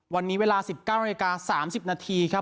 วันนี้เวลาสิบเก้าระยากาศสามสิบนาทีครับ